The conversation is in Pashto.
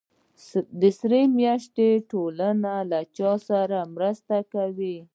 د سرې میاشتې ټولنه چا سره مرسته کوي؟